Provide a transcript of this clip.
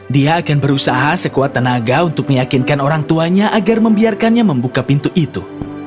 dia akan berusaha sekuat tenaga untuk meyakinkan orang tuanya agar membiarkannya membuka pintu itu